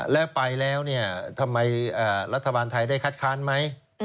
แล้วไปแล้วเนี่ยทำไมรัฐบาลไทยได้คัดค้านไหม